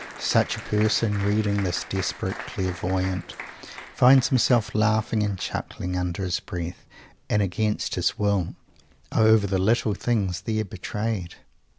Such a person, reading this desperate "clairvoyant," finds himself laughing and chuckling, under his breath, and against his willy over the little things there betrayed.